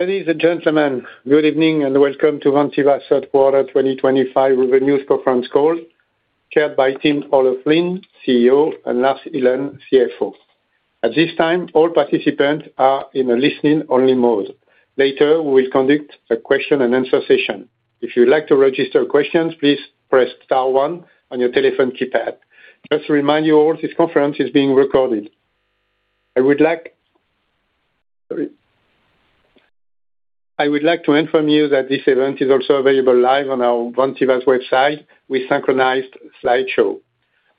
Ladies and gentlemen, good evening and welcome to Vantiva, Third Quarter 2025 Revenues Conference Call, chaired by Tim O'Loughlin, CEO, and Lars Ihlen, CFO. At this time, all participants are in a listen-only mode. Later, we will conduct a question-and-answer session. If you'd like to register questions, please press star one on your telephone keypad. Just to remind you all, this conference is being recorded. I would like to inform you that this event is also available live on our Vantiva's website with a synchronized slideshow.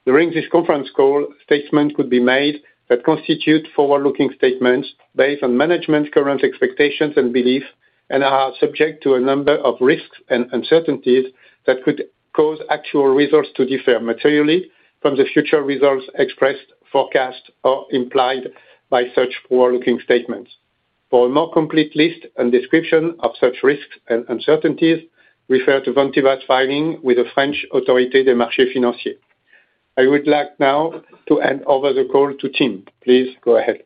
During this conference call, statements could be made that constitute forward-looking statements based on management's current expectations and beliefs and are subject to a number of risks and uncertainties that could cause actual results to differ materially from the future results expressed, forecast, or implied by such forward-looking statements. For a more complete list and description of such risks and uncertainties, refer to Vantiva's filing with the French Autorité des Marchés Financiers. I would like now to hand over the call to Tim. Please go ahead.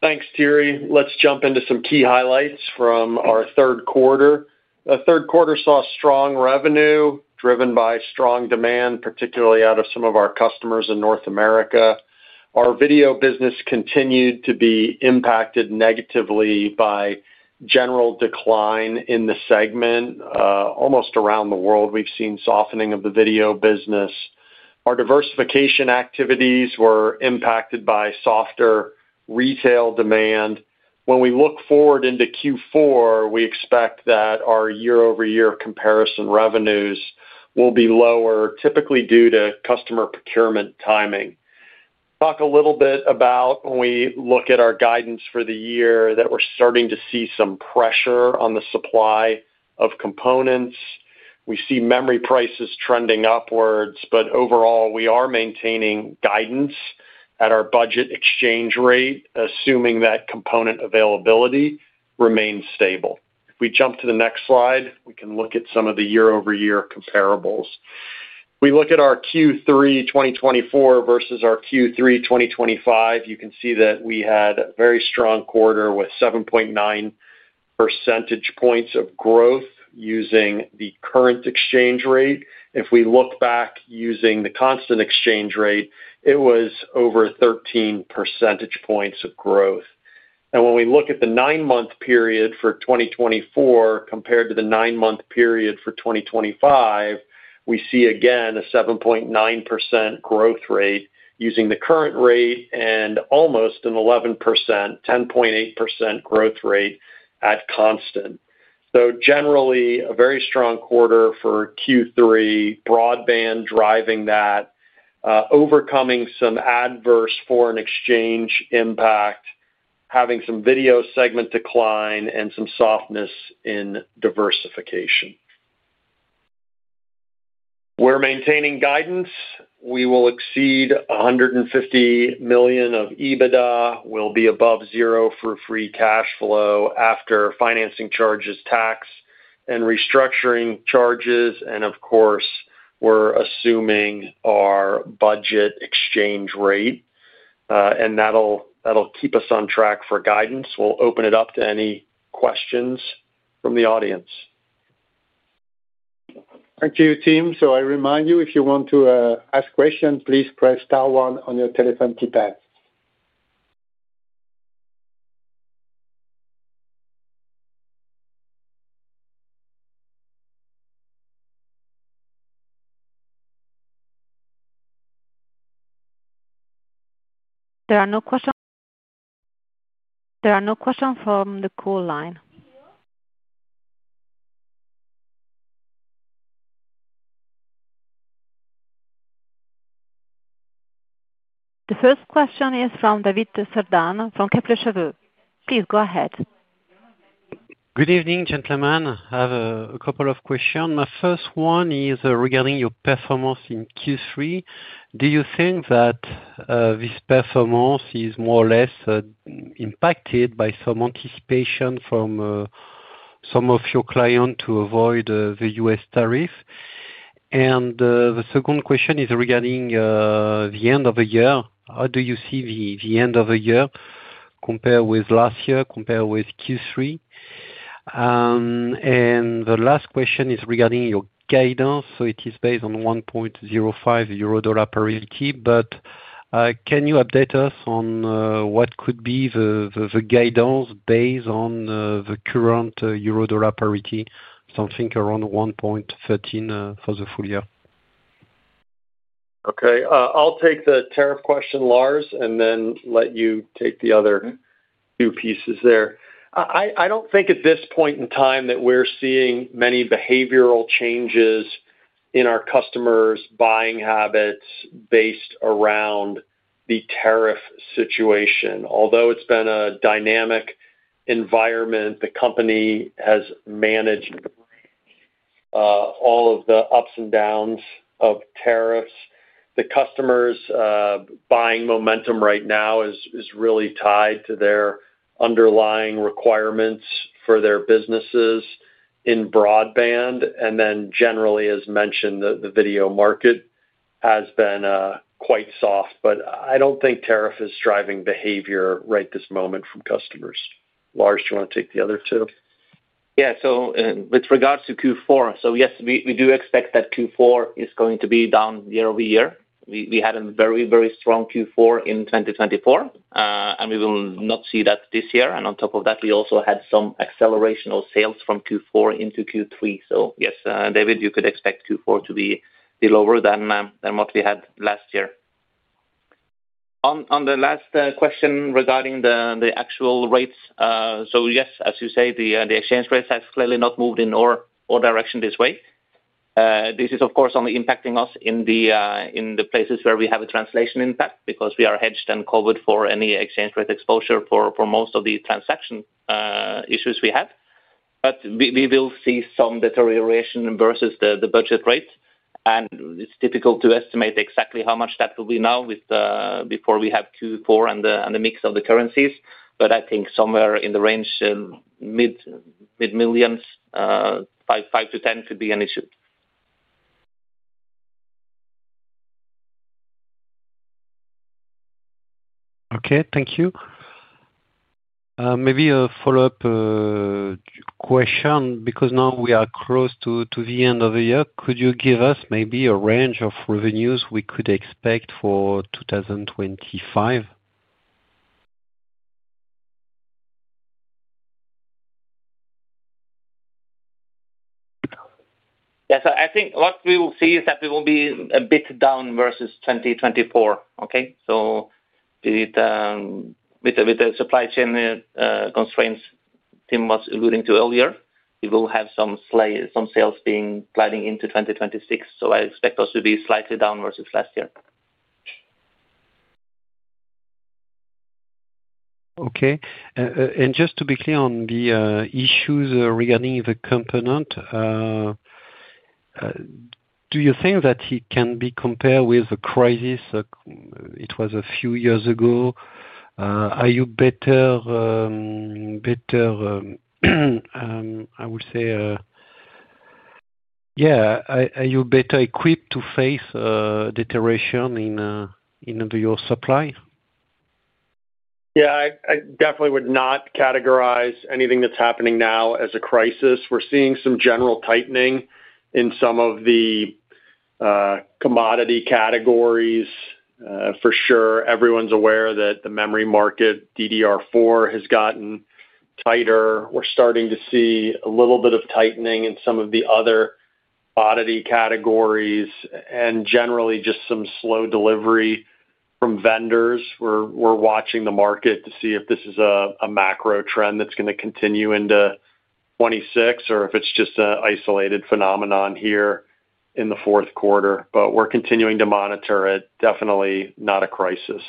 Thanks, Thierry. Let's jump into some key highlights from our third quarter. The third quarter saw strong revenue driven by strong demand, particularly out of some of our customers in North America. Our Video business continued to be impacted negatively by general decline in the segment. Almost around the world, we've seen softening of the Video business. Our diversification activities were impacted by softer retail demand. When we look forward into Q4, we expect that our year-over-year comparison revenues will be lower, typically due to customer procurement timing. Talk a little bit about when we look at our guidance for the year that we're starting to see some pressure on the supply of components. We see memory prices trending upwards, but overall, we are maintaining guidance at our budget exchange rate, assuming that component availability remains stable. If we jump to the next slide, we can look at some of the year-over-year comparables. If we look at our Q3 2024 versus our Q3 2025, you can see that we had a very strong quarter with 7.9% of growth using the current exchange rate. If we look back using the constant exchange rate, it was over 13% of growth. When we look at the nine-month period for 2024 compared to the nine-month period for 2025, we see again a 7.9% growth rate using the current rate and almost an 11%, 10.8% growth rate at constant. Generally, a very strong quarter for Q3, broadband driving that. Overcoming some adverse foreign exchange impact, having some Video segment decline, and some softness in diversification. We're maintaining guidance. We will exceed 150 million of EBITDA. We'll be above zero for free cash flow after financing charges, tax, and restructuring charges. And of course, we're assuming our budget exchange rate. And that'll keep us on track for guidance. We'll open it up to any questions from the audience. Thank you, Tim. So I remind you, if you want to ask questions, please press star one on your telephone keypad. There are no questions. There are no questions from the call line. The first question is from David Serdan from Kepler Cheuvreux. Please go ahead. Good evening, gentlemen. I have a couple of questions. My first one is regarding your performance in Q3. Do you think that this performance is more or less impacted by some anticipation from some of your clients to avoid the U.S. tariff? And the second question is regarding the end of the year. How do you see the end of the year compared with last year, compared with Q3? And the last question is regarding your guidance which is based on 1.05 EUR/USD parity, but can you update us on what could be the guidance based on the current EUR/USD parity, something around 1.13 for the full year? Okay. I'll take the tariff question, Lars, and then let you take the other. Two pieces there. I don't think at this point in time that we're seeing many behavioral changes in our customers' buying habits based around the tariff situation. Although it's been a dynamic environment, the company has managed all of the ups and downs of tariffs. The customers' buying momentum right now is really tied to their underlying requirements for their businesses in broadband. And then generally, as mentioned, the video market has been quite soft, but I don't think tariff is driving behavior right this moment from customers. Lars, do you want to take the other two? Yeah. With regards to Q4, yes, we do expect that Q4 is going to be down year-over-year. We had a very, very strong Q4 in 2024, and we will not see that this year. On top of that, we also had some acceleration of sales from Q4 into Q3. So, yes, David, you could expect Q4 to be lower than what we had last year. On the last question regarding the actual rates, yes, as you say, the exchange rates have clearly not moved in our direction this way. This is, of course, only impacting us in the places where we have a translation impact because we are hedged and covered for any exchange rate exposure for most of the transaction issues we have. But we will see some deterioration versus the budget rate. And it's difficult to estimate exactly how much that will be now before we have Q4 and the mix of the currencies, but I think somewhere in the range, mid-millions, 5 million-10 million could be an issue. Okay. Thank you. Maybe a follow-up question because now we are close to the end of the year. Could you give us maybe a range of revenues we could expect for 2025? Yes. I think what we will see is that we will be a bit down versus 2024. With the supply chain constraints Tim was alluding to earlier, we will have some sales being sliding into 2026. I expect us to be slightly down versus last year. Okay. Just to be clear on the issues regarding the component, do you think that it can be compared with the crisis it was a few years ago? Are you better equipped to face deterioration in your supply? Yeah. I definitely would not categorize anything that's happening now as a crisis. We're seeing some general tightening in some of the commodity categories. For sure, everyone's aware that the memory market, DDR4, has gotten tighter. We're starting to see a little bit of tightening in some of the other commodity categories and generally just some slow delivery from vendors. We're watching the market to see if this is a macro trend that's going to continue into 2026 or if it's just an isolated phenomenon here in the fourth quarter. We're continuing to monitor it. Definitely not a crisis.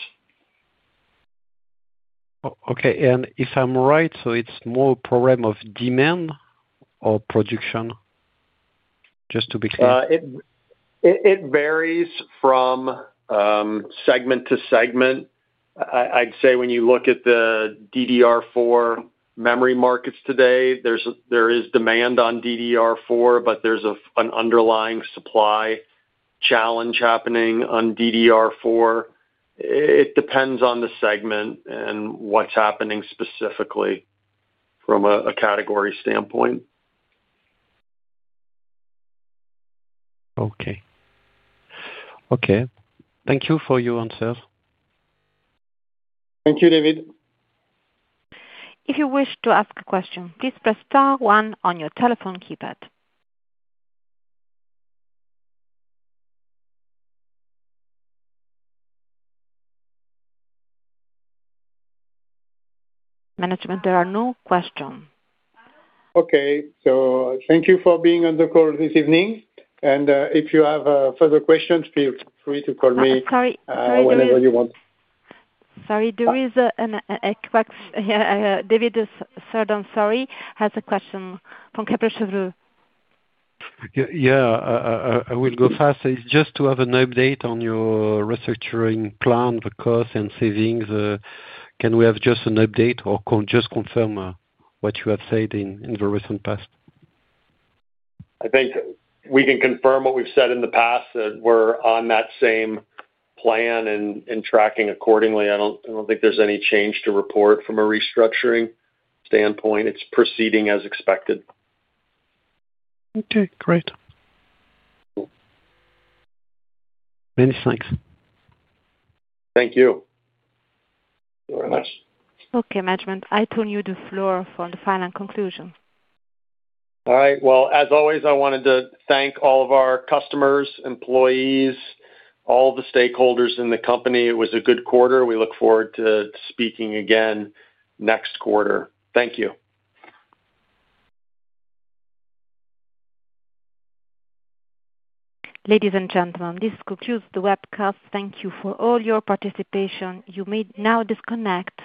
Okay. If I'm right, it's more a problem of demand or production? Just to be clear. It varies from segment to segment. I'd say when you look at the DDR4 memory markets today, there is demand on DDR4, but there's an underlying supply challenge happening on DDR4. It depends on the segment and what's happening specifically from a category standpoint. Okay. Thank you for your answers. Thank you, David. If you wish to ask a question, please press star one on your telephone keypad. Management, there are no questions. Okay so thank you for being on the call this evening. If you have further questions, feel free to call me. Sorry, David. Whenever you want. Sorry, there is an Xbox. David Serdan, sorry, has a question from Kepler Cheuvreux. Yeah, I will go fast. Just to have an update on your restructuring plan, the cost and savings, can we have just an update or just confirm what you have said in the recent past? I think we can confirm what we've said in the past, that we're on that same plan and tracking accordingly. I don't think there's any change to report from a restructuring standpoint; it's proceeding as expected. Okay, great. Many thanks. Thank you. Okay, management, I turn you the floor for the final conclusion. All right as always, I wanted to thank all of our customers, employees, all the stakeholders in the company. It was a good quarter. We look forward to speaking again next quarter. Thank you. Ladies and gentlemen, this concludes the webcast. Thank you for all your participation. You may now disconnect.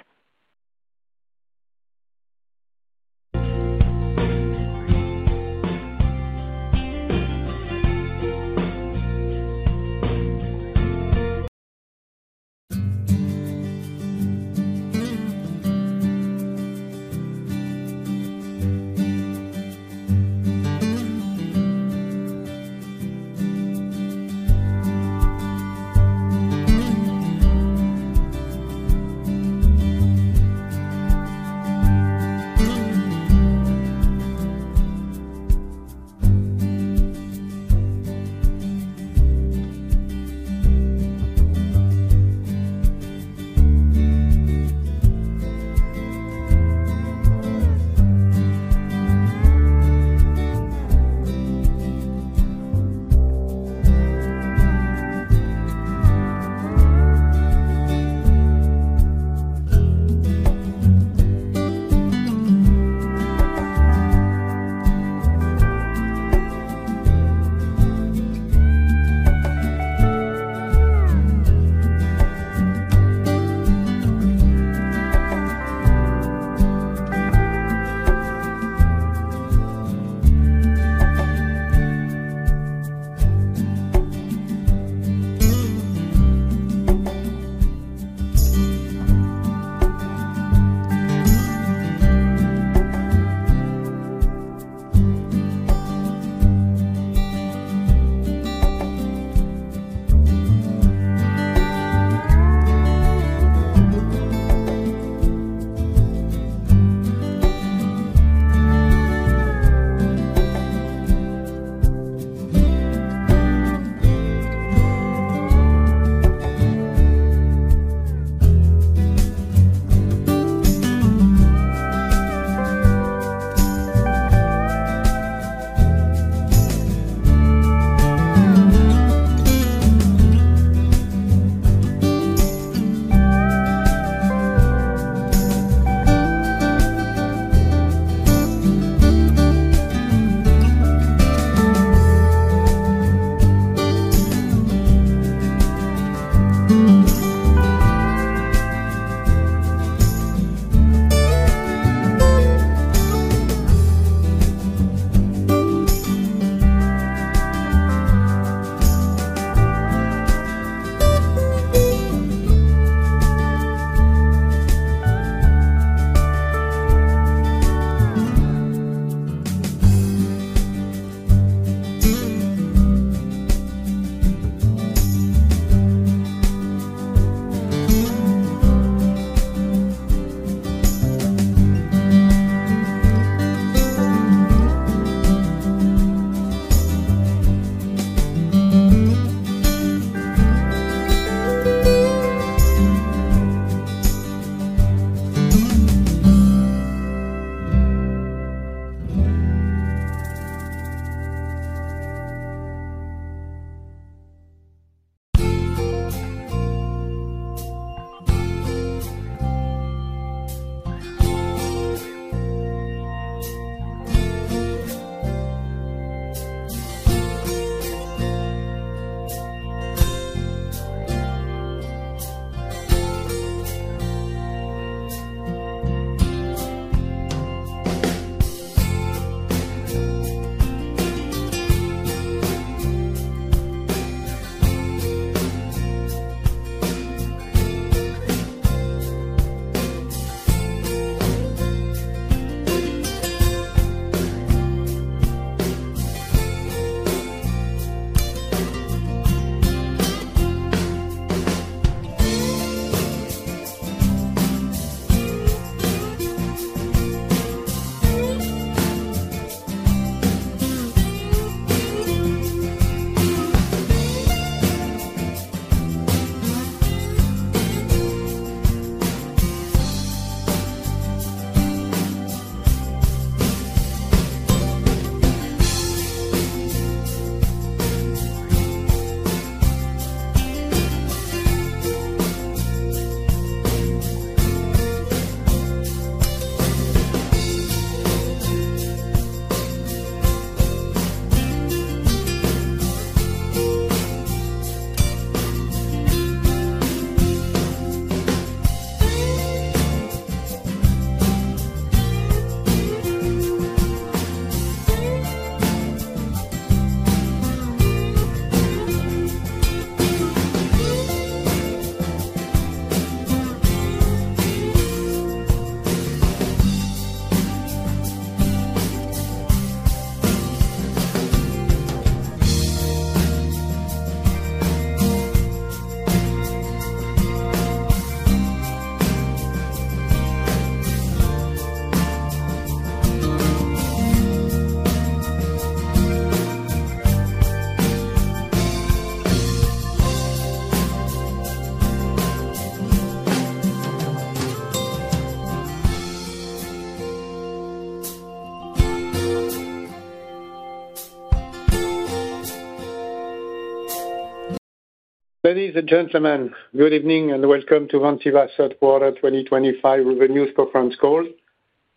Ladies and gentlemen, good evening and welcome to Vantiva's Third Quarter 2025 Revenues Conference Call,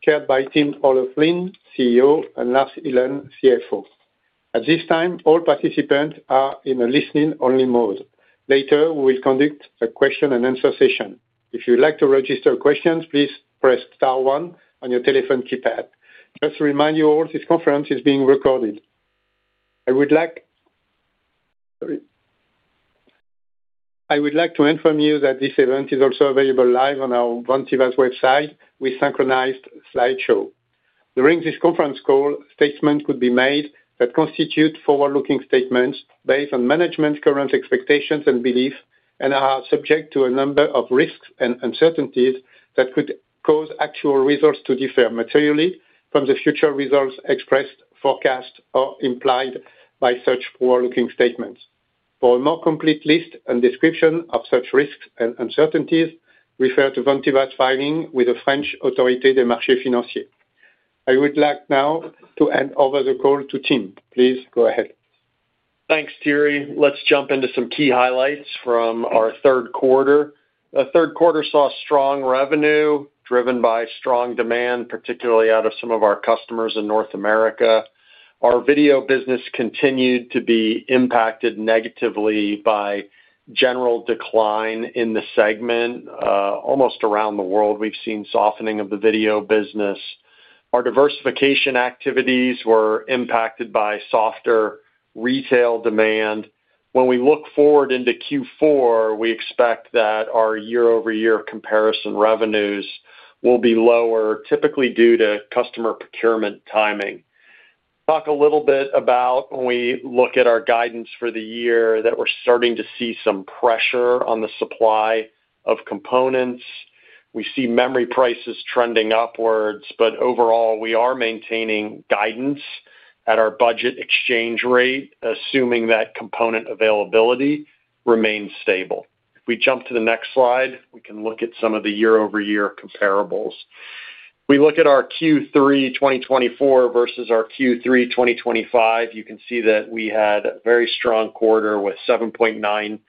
chaired by Tim O'Loughlin, CEO, and Lars Ihlen, CFO. At this time, all participants are in a listen-only mode. Later, we will conduct a question-and-answer session. If you'd like to register questions, please press star one on your telephone keypad. Just to remind you all, this conference is being recorded. I would like to inform you that this event is also available live on our Vantiva website with a synchronized slideshow. During this conference call, statements could be made that constitute forward-looking statements based on management's current expectations and beliefs and are subject to a number of risks and uncertainties that could cause actual results to differ materially from the future results expressed, forecast, or implied by such forward-looking statements. For a more complete list and description of such risks and uncertainties, refer to Vantiva's filing with the French Autorité des Marchés Financiers. I would like now to hand over the call to Tim. Please go ahead. Thanks, Thierry. Let's jump into some key highlights from our third quarter. The third quarter saw strong revenue driven by strong demand, particularly out of some of our customers in North America. Our Video business continued to be impacted negatively by general decline in the segment. Almost around the world, we've seen softening of the Video business. Our diversification activities were impacted by softer retail demand. When we look forward into Q4, we expect that our year-over-year comparison revenues will be lower, typically due to customer procurement timing. Talk a little bit about when we look at our guidance for the year that we're starting to see some pressure on the supply of components. We see memory prices trending upwards, but overall, we are maintaining guidance at our budget exchange rate, assuming that component availability remains stable. If we jump to the next slide, we can look at some of the year-over-year comparables. We look at our Q3 2024 versus our Q3 2025. You can see that we had a very strong quarter with 7.9%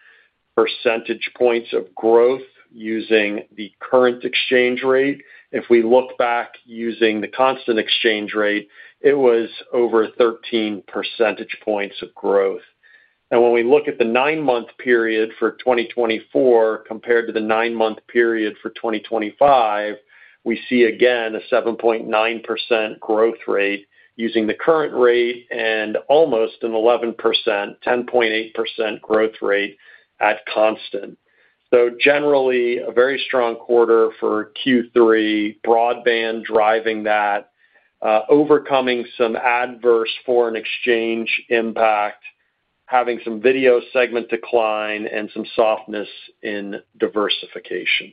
points of growth using the current exchange rate. If we look back using the constant exchange rate, it was over 13% points of growth. When we look at the nine-month period for 2024 compared to the nine-month period for 2025, we see again a 7.9% growth rate using the current rate and almost an 11%, 10.8% growth rate at constant. Generally, a very strong quarter for Q3, broadband driving that, overcoming some adverse foreign exchange impact, having some Video segment decline, and some softness in diversification.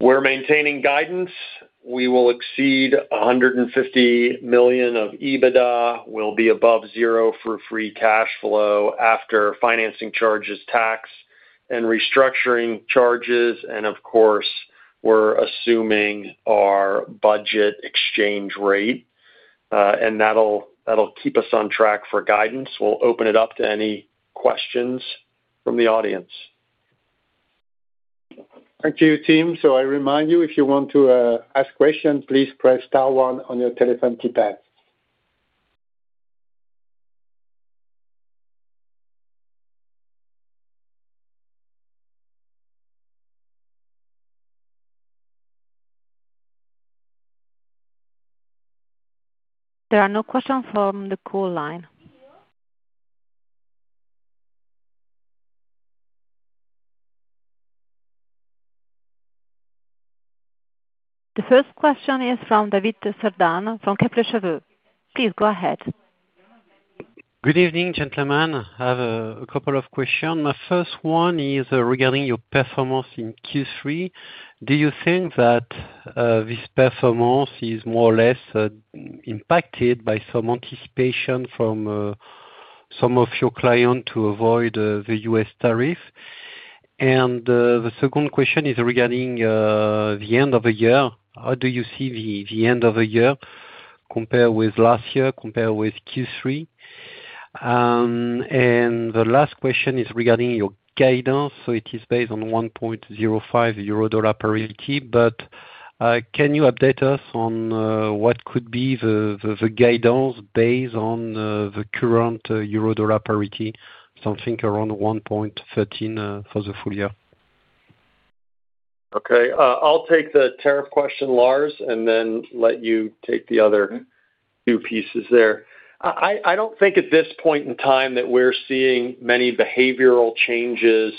We're maintaining guidance. We will exceed 150 million of EBITDA. We'll be above zero for free cash flow after financing charges, tax, and restructuring charges. Of course, we're assuming our budget exchange rate. That'll keep us on track for guidance. We'll open it up to any questions from the audience. Thank you, Tim. So I remind you, if you want to ask questions, please press star one on your telephone keypad. There are no questions from the call line. The first question is from David Serdan from Kepler Cheuvreux. Please go ahead. Good evening, gentlemen. I have a couple of questions. My first one is regarding your performance in Q3. Do you think that this performance is more or less impacted by some anticipation from some of your clients to avoid the U.S. tariff? The second question is regarding the end of the year. How do you see the end of the year compared with last year, compared with Q3? The last question is regarding your guidance. It is based on 1.05 EUR/USD parity, but can you update us on what could be the guidance based on the current EUR/USD parity, something around 1.13 for the full year? Okay. I'll take the tariff question, Lars, and then let you take the other. Two pieces there. I don't think at this point in time that we're seeing many behavioral changes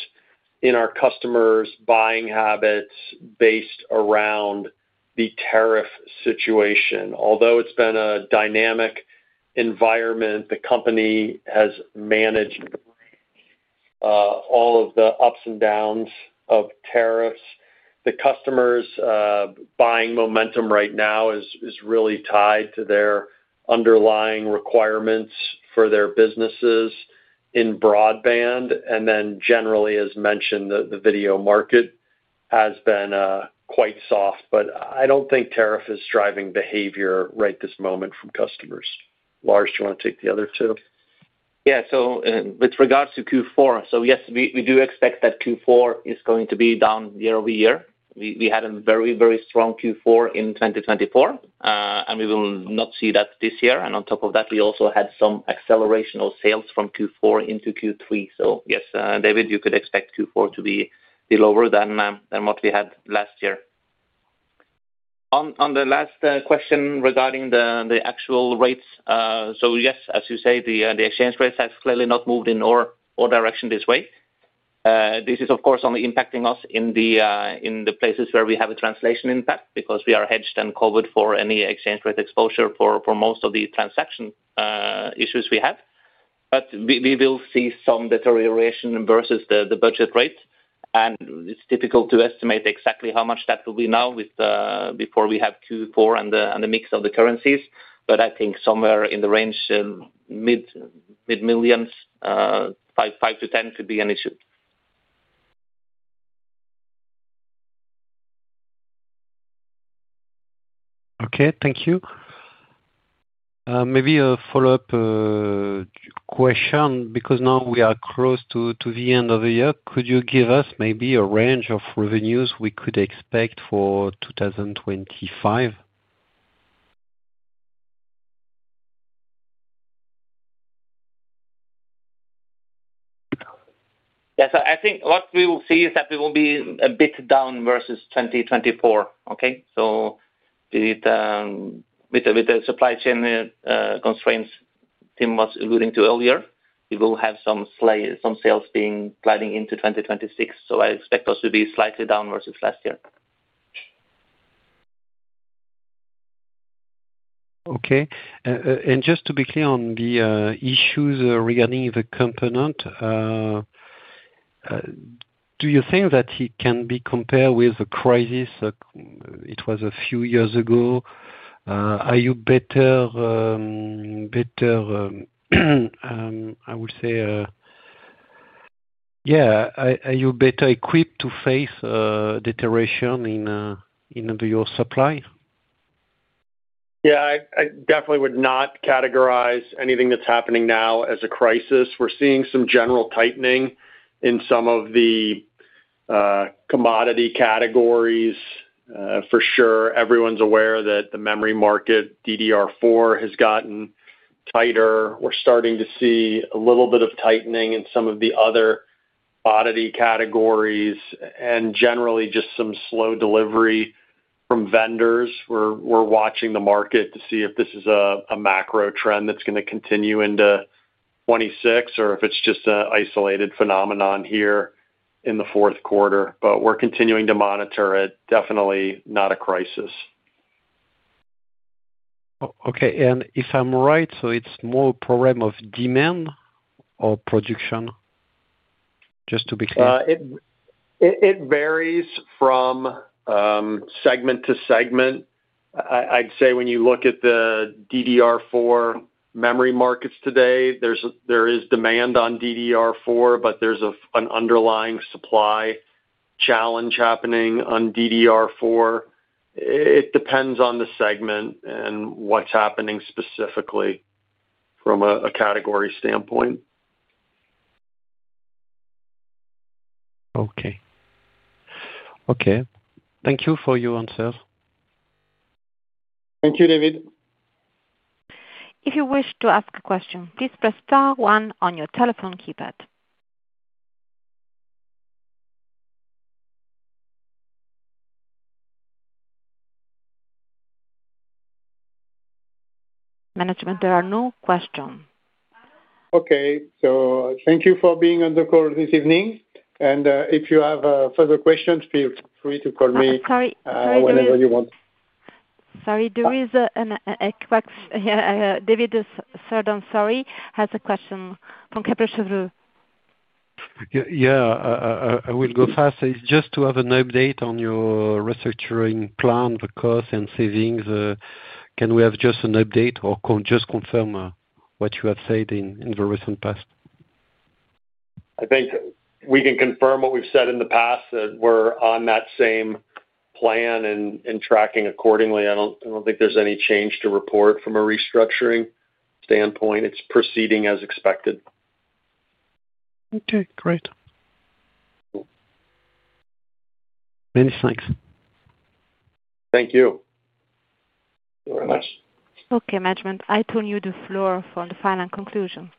in our customers' buying habits based around the tariff situation. Although it's been a dynamic environment, the company has managed all of the ups and downs of tariffs. The customers' buying momentum right now is really tied to their underlying requirements for their businesses in broadband. As mentioned, the video market has been quite soft. I don't think tariff is driving behavior right this moment from customers. Lars, do you want to take the other two? Yeah. With regards to Q4, yes, we do expect that Q4 is going to be down year-over-year. We had a very, very strong Q4 in 2024, and we will not see that this year. On top of that, we also had some acceleration of sales from Q4 into Q3. Yes, David, you could expect Q4 to be lower than what we had last year. On the last question regarding the actual rates, yes, as you say, the exchange rates have clearly not moved in our direction this way. This is, of course, only impacting us in the places where we have a translation impact because we are hedged and covered for any exchange rate exposure for most of the transaction issues we have. We will see some deterioration versus the budget rate. It's difficult to estimate exactly how much that will be now before we have Q4 and the mix of the currencies, but I think somewhere in the range, mid-millions, 5 million-10 million could be an issue. Okay. Thank you. Maybe a follow-up question because now we are close to the end of the year. Could you give us maybe a range of revenues we could expect for 2025? Yes. I think what we will see is that we will be a bit down versus 2024. With the supply chain constraints Tim was alluding to earlier, we will have some sales sliding into 2026. I expect us to be slightly down versus last year. Okay. Just to be clear on the issues regarding the component, do you think that it can be compared with the crisis it was a few years ago? Are you better equipped to face deterioration in your supply? Yeah. I definitely would not categorize anything that's happening now as a crisis. We're seeing some general tightening in some of the commodity categories. For sure, everyone's aware that the memory market, DDR4, has gotten tighter. We're starting to see a little bit of tightening in some of the other commodity categories and generally just some slow delivery from vendors. We're watching the market to see if this is a macro trend that's going to continue into 2026 or if it's just an isolated phenomenon here in the fourth quarter. We're continuing to monitor it. Definitely not a crisis. Okay. If I'm right, it's more a problem of demand or production? Just to be clear. It varies from segment to segment. I'd say when you look at the DDR4 memory markets today, there is demand on DDR4, but there's an underlying supply challenge happening on DDR4. It depends on the segment and what's happening specifically from a category standpoint. Okay. Thank you for your answers. Thank you, David. If you wish to ask a question, please press star one on your telephone keypad. Management, there are no questions. Thank you for being on the call this evening. If you have further questions, feel free to call me. Sorry, David. Whenever you want. Sorry, there is an Xbox. David Serdan, sorry, has a question from Kepler Cheuvreux. Yeah, I will go fast. Just to have an update on your restructuring plan, the cost and savings, can we have just an update or just confirm what you have said in the recent past? I think we can confirm what we've said in the past, that we're on that same plan and tracking accordingly. I don't think there's any change to report from a restructuring standpoint; it's proceeding as expected. Okay, great. Many thanks. Thank you. Okay, management, I turn you the floor for the final conclusion.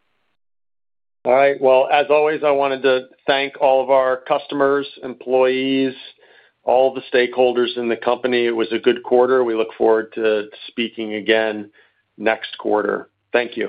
As always, I wanted to thank all of our customers, employees, all the stakeholders in the company. It was a good quarter. We look forward to speaking again next quarter. Thank you.